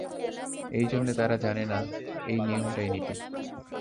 এই জন্যে তারা জানে না এই নিয়মটাই নীতি।